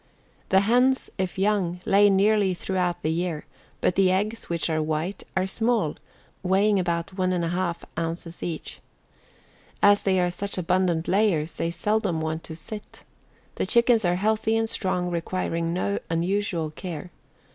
The hens, if young, lay nearly throughout the year, but the eggs, which are white, are small, weighing about 1 1/2 ounces each. As they are such abundant layers they seldom want to sit. The chickens are healthy and strong requiring no unusual care.